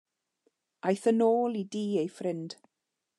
Aeth yn ôl i dŷ ei ffrind.